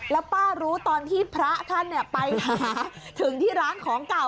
แล้วป้ารู้ตอนที่พระท่านไปหาถึงที่ร้านของเก่า